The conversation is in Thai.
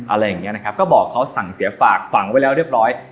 อะไรอย่างนี้นะครับก็บอกเขาสั่งเสียฝากฝังไว้แล้วเรียบร้อย